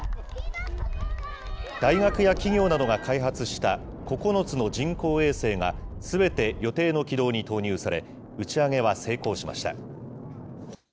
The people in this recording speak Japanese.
大学や企業などが開発した９つの人工衛星がすべて、予定の軌道に投入され、打ち上げは成功しました。